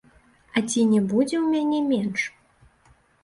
А ці не будзе ў мяне менш?